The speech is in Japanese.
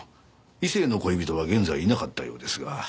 異性の恋人は現在いなかったようですが。